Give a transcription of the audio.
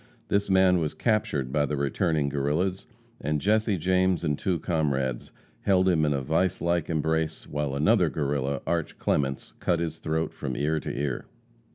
This man was captured by the returning Guerrillas, and Jesse James and two comrades held him in a vice like embrace, while another Guerrilla, Arch. Clements, cut his throat from ear to ear.